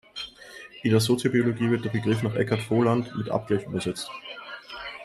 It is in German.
In der Soziobiologie wird der Begriff nach Eckart Voland mit „Abgleich“ übersetzt.